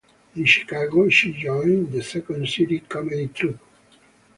In Chicago, she joined The Second City comedy troupe.